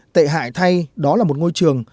tệ hại thay đó là một ngôi trường